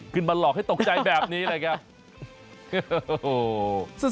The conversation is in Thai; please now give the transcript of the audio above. กลึ่นมาหลอกให้ตกใจแบบนี้เลยครับ